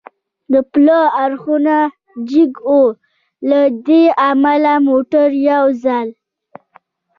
د پله اړخونه جګ و، له دې امله موټر یو ځل.